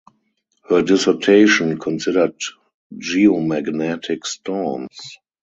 Her dissertation considered geomagnetic storms.